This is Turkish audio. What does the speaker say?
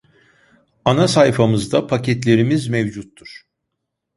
Anasayfamızda paketlerimiz mevcuttur